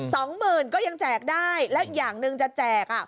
สองหมื่นก็ยังแจกได้แล้วอย่างหนึ่งจะแจกอ่ะ